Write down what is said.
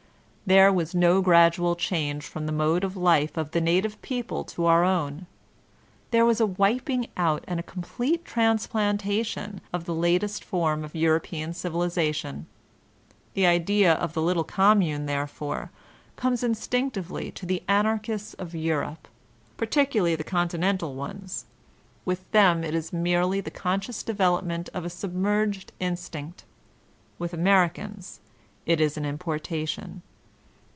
There was no gradual change from the mode of life of the native people to our own; there was a wiping out and a complete transplantation of the latest form of European civilization. The idea of the little commune, therefore, comes instinctively to the Anarchists of Europe, — particularly the continental ones; with them it is merety the conscious development of a submerged instinct With Americans it is an importation.